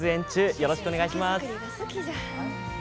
よろしくお願いします。